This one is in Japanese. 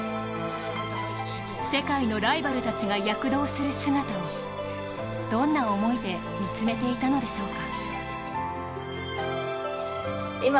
世界のライバルたちが躍動する姿をどんな思いで見つめていたのでしょうか。